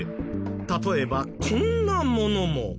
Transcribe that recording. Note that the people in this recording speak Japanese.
例えばこんなものも。